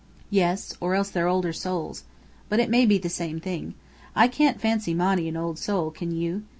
"Yes. Or else they're older souls. But it may be the same thing. I can't fancy Monny an old soul, can you?